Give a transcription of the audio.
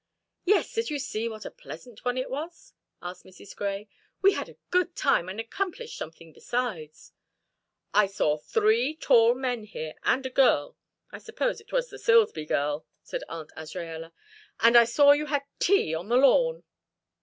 "Yes. Did you see what a pleasant one it was?" asked Mrs. Grey. "We had a good time, and accomplished something besides." "I saw three tall men here and a girl I supposed it was the Silsby girl," said Aunt Azraella. "And I saw you had tea on the lawn."